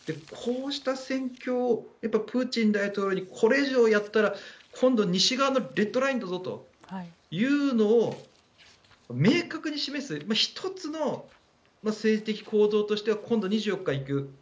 こうした戦況をプーチン大統領にこれ以上やったら今度、西側のレッドラインだぞというのを明確に示す１つの政治的行動としては今度２４日に行く。